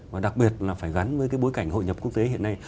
và đặc biệt là phải gắn với cái bối cảnh hội nhập quốc tế hiện nay